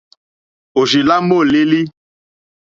Òrzì lá môlélí.